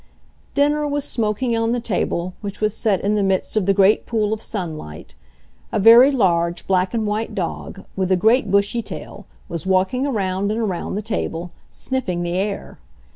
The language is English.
Dinner was smoking on the table, which was set in the midst of the great pool of sunlight. A very large black and white dog, with a great bushy tail, was walking around and around the table, sniffing the air.